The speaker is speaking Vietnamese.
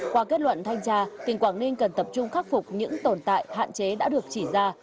qua kết luận thanh tra tỉnh quảng ninh cần tập trung khắc phục những tồn tại hạn chế đã được chỉ ra